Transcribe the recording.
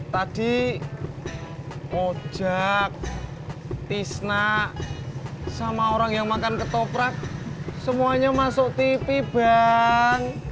tadi ojek tisna sama orang yang makan ketoprak semuanya masuk tv bang